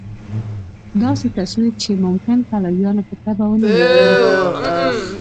داسې تصویر چې ممکن پلویانو په طبع ونه لګېږي.